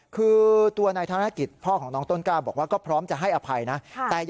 คือตัวนายธนกิจพ่อของน้องต้นกล้าบอกว่าก็พร้อมจะให้อภัยนะ